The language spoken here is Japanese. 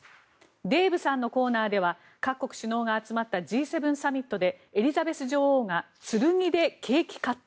デーブさんのコーナーでは各国首脳が集まったＧ７サミットでエリザベス女王が剣でケーキカット。